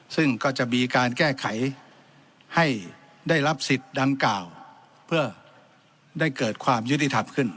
ซึ่งก็จะมีการแก้ไขให้ได้รับสิทธิ์ดังกล่าวเพื่อได้เกิดความยุติธรรมขึ้น